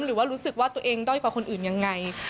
หรือว่ารู้สึกว่าตัวเองด้อยกว่าคนอื่นยังไง